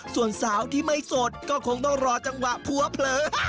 ส่วนสาวที่ไม่สดก็คงต้องรอจังหวะผัวเผลอ